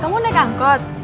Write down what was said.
kamu naik angkot